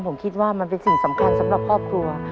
ผมคิดว่ามันเป็นสิ่งสำคัญสำหรับครอบครัว